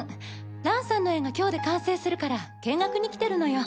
蘭さんの絵が今日で完成するから見学に来てるのよ。